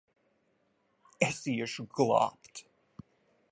Es iešu glābt!